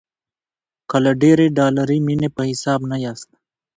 که له ډېرې ډالري مینې په حساب نه یاست.